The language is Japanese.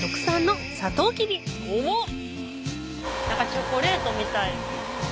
チョコレートみたい。